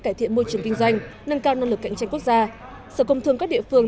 cải thiện môi trường kinh doanh nâng cao năng lực cạnh tranh quốc gia sở công thương các địa phương